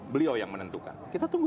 beliau yang menentukan kita tunggu